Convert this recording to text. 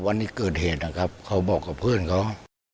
วันที่เกิดเหตุนะครับเขาบอกกับเพื่อนเขา